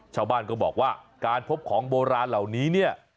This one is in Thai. ชาวบ้านก็บอกว่าการพบของโบราณเหล่านี้เนี่ย